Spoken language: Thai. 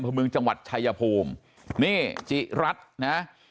พระมืงจังหวัดชัยยพูมนี่จิรัตนะฮะ